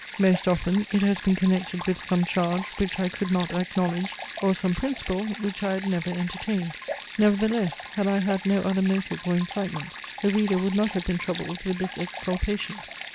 Most often it has been connected with some charge which I could not acknowledge, or some principle which I had never entertained. Nevertheless, had I had no other motive or incitement, the reader would not have been troubled with this exculpation.